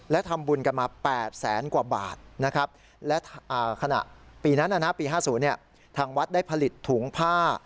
และขณะปีนั้นปี๕๐ทางวัดได้ผลิตถุงผ้า